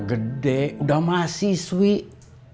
jadi kayaknya kamu yang peduli ya